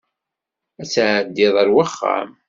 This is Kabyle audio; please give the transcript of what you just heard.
Ad tɛeddiḍ ar wexxam.